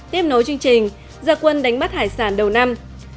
tiếp nối chương trình gia quân đánh bắt hải sản đầu năm